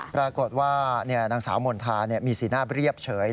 ปรากฏว่านางสาวมณฑามีสีหน้าเรียบเฉย